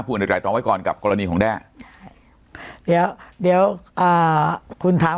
ผู้อันดัดไหลตรงไว้ก่อนกับกรณีของแด้ใช่เดี๋ยวเดี๋ยวอ่าคุณถาม